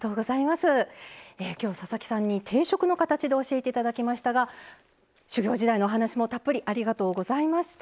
きょう、佐々木さんに定食の形で教えていただきましたが修業時代のお話もたっぷりありがとうございました。